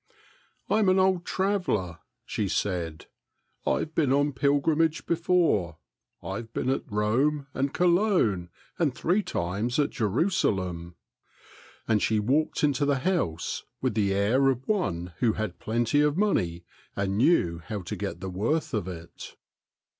" I 'm an old traveler," she said. " I 've been on pilgrimage before ; I 've been at Rome and Cologne, and three times at Jerusalem" ; *v'nd she walked into the house with the air of one who (At t^t ^afiarb %m 9 had plenty of money and knew how to get the worth of it.